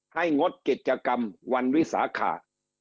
งดกิจกรรมวันวิสาขา